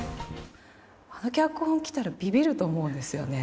この脚本来たらビビると思うんですよね